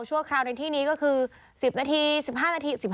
คราวในที่นี้ก็คือ๑๐นาที๑๕นาที๑๕